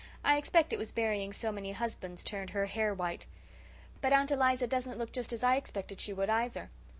I expect it was burying so many husbands turned her hair white. But Aunt Eliza doesn't look just as I expected she would either."